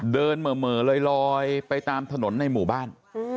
เหม่อลอยไปตามถนนในหมู่บ้าน